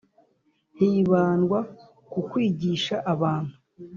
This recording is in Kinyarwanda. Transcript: hibandwa ku kwigisha abantu